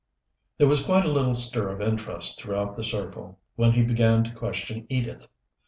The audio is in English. There was quite a little stir of interest throughout the circle when he began to question Edith.